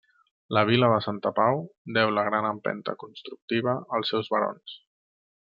La vila de Santa Pau deu la gran empenta constructiva als seus barons.